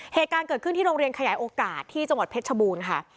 เหตุการณ์เกิดขึ้นที่โรงเรียนขยายโอกาสที่จังหวัดเพชรชบูรณ์ค่ะ